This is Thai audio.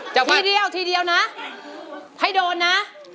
ทีเดียวทีเดียวนะให้โดนนะ